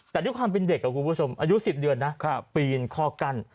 แต่ด้วยความเป็นเด็กคุณผู้ชมอายุ๑๐เดือนนะปีนข้อกั้น